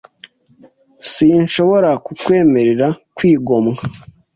Sinshobora kukwemerera kwigomwa.